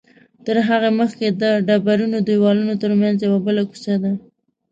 تر هغې مخکې د ډبرینو دیوالونو تر منځ یوه بله کوڅه ده.